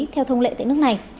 theo thông lệ tại nước này